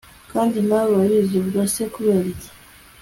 kandi nawe urabizi ubwo se kuberiki